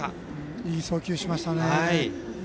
いい送球をしましたね。